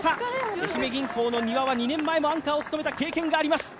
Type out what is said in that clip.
愛媛銀行の二羽はアンカーを務めたことがあります。